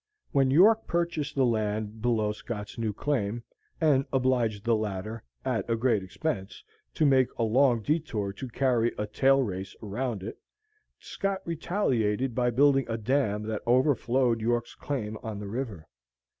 When York purchased the land below Scott's new claim, and obliged the latter, at a great expense, to make a long detour to carry a "tail race" around it, Scott retaliated by building a dam that overflowed York's claim on the river.